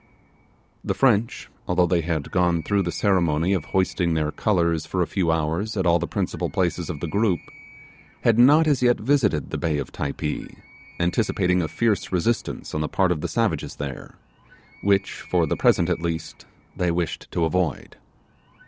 The French, although they had gone through the ceremony of hoisting their colours for a few hours at all the principal places of the group, had not as yet visited the bay of Typee, anticipating a fierce resistance on the part of the savages there, which for the present at least they wished to avoid.